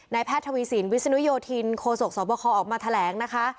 แพทย์ทวีสินวิศนุโยธินโคศกสวบคออกมาแถลงนะคะ